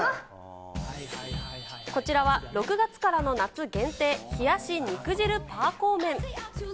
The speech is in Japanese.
こちらは６月からの夏限定、冷やし肉汁パーコー麺。